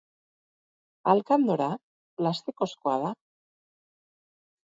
Alkandora plastikozkoa da.